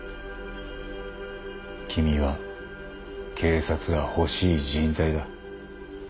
君は警察が欲しい人材だ。